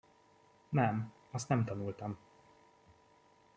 Nem, azt nem tanultam.